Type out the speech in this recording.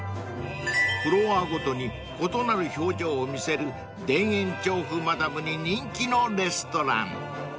［フロアごとに異なる表情を見せる田園調布マダムに人気のレストラン］